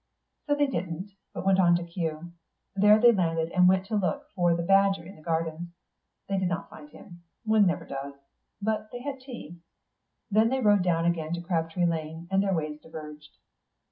So they didn't, but went on to Kew. There they landed and went to look for the badger in the gardens. They did not find him. One never does. But they had tea. Then they rowed down again to Crabtree Lane, and their ways diverged.